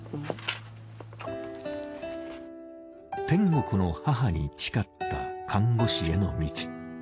天国の母に誓った看護師への道。